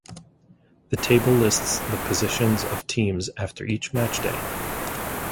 The table lists the positions of teams after each matchday.